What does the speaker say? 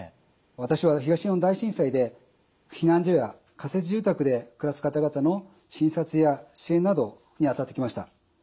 私は東日本大震災で避難所や仮設住宅で暮らす方々の診察や支援などにあたってきました。